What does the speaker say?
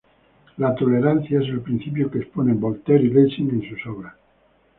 La tolerancia es el principio que exponen Voltaire y Lessing en sus obras.